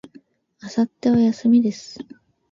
明後日は、休みです。